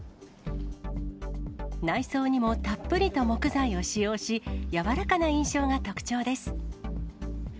内装にもたっぷりと木材を使用し、柔らかな印象が特徴です。